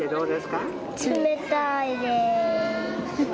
冷たいです。